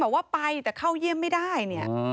ว่าไปแต่เข้าเยี่ยมไม่ได้เนี่ย